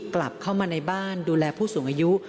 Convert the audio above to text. กลับเข้ามาในบ้านดูแลผู้สูงอายุ